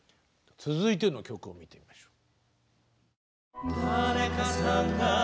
続いての曲を見てみましょう。